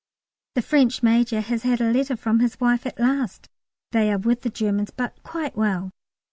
The French Major has had a letter from his wife at last, they are with the Germans, but quite well.